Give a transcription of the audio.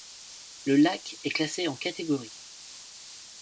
Le lac est classé en catégorie.